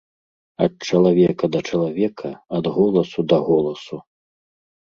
Ад чалавека да чалавека, ад голасу да голасу.